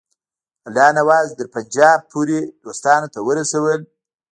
الله نواز تر پنجاب پوري دوستانو ته ورسول.